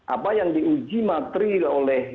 apa yang diuji materi oleh